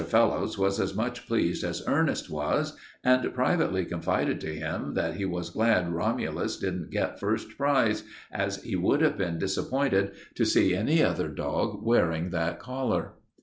Fellowes was as much pleased as Ernest was, and privately confided to him that he was glad Romulus didn't get first prize, as he would have been disappointed to see any other dog wearing that collar.